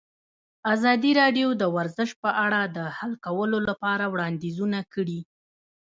ازادي راډیو د ورزش په اړه د حل کولو لپاره وړاندیزونه کړي.